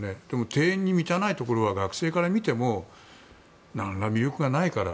定員に満たないところは学生から見ても何ら魅力がないから。